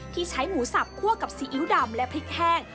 ที่ใช้หมูสับคั่วกับซีอิ๊วดำและพริกแห้ง